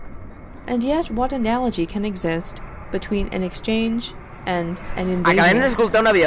And yet what analogy can exist between an exchange and an invasion?